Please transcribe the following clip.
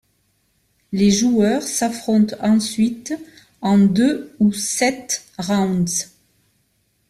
Les joueurs s'affrontent ensuite en deux ou sept rounds.